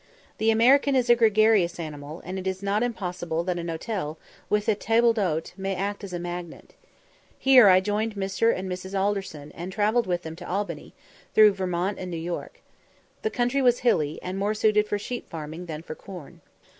The American is a gregarious animal, and it is not impossible that an hotel, with a table d'hôte, may act as a magnet. Here I joined Mr. and Mrs. Alderson, and travelled with them to Albany, through Vermont and New York. The country was hilly, and more suited for sheep farming than for corn.